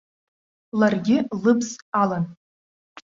Ларгьы лыбз алан.